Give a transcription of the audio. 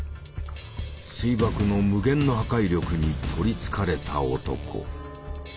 水爆の無限の破壊力に取りつかれた男。